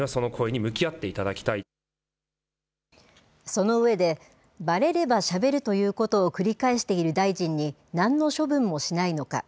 その上で、ばれればしゃべるということを繰り返している大臣になんの処分もしないのか。